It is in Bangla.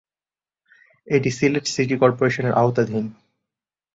এটি সিলেট সিটি কর্পোরেশনের আওতাধীন।